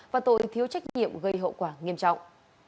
và tội thiếu trách nhiệm gây hậu quả nghiêm trọng